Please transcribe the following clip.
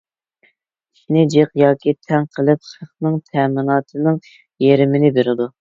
ئىشنى جىق ياكى تەڭ قىلىپ خەقنىڭ تەمىناتىنىڭ يېرىمىنى بېرىدۇ.